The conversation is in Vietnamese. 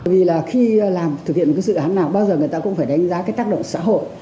vì là khi làm thực hiện một cái dự án nào bao giờ người ta cũng phải đánh giá cái tác động xã hội